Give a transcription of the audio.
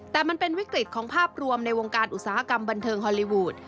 แต่มันเป็นวิกฤตของภาพรวมในวงการอุตสาหกรรมบันเทิงฮอลลีวูด